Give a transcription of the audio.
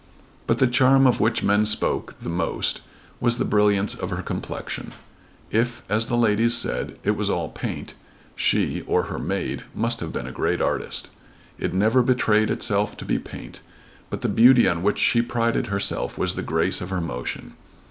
But the charm of which men spoke the most was the brilliance of her complexion. If, as the ladies said, it was all paint, she, or her maid, must have been a great artist. It never betrayed itself to be paint. But the beauty on which she prided herself was the grace of her motion.